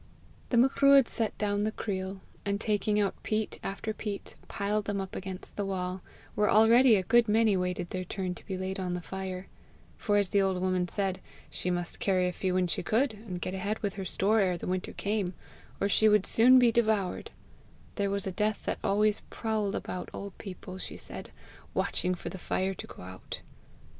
The Macruadh set down the creel, and taking out peat after peat, piled them up against the wall, where already a good many waited their turn to be laid on the fire; for, as the old woman said, she must carry a few when she could, and get ahead with her store ere the winter came, or she would soon be devoured: there was a death that always prowled about old people, she said, watching for the fire to go out.